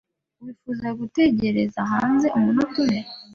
Wifuza gutegereza hanze umunota umwe?